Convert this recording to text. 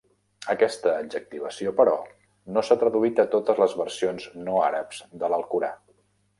Aquesta adjectivació, però, no s'ha traduït a totes les versions no àrabs de l'alcorà.